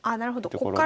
こっから。